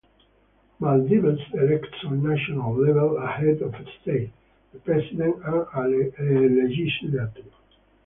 Maldives elects on national level a head of state, the president, and a legislature.